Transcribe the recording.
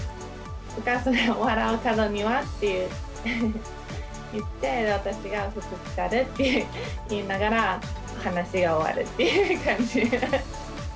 お母さんが笑う門にはって言って、私が、福来るって言いながら、話が終わるっていう感じ。